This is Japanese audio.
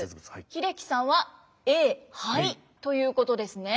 英樹さんはＡ灰ということですね。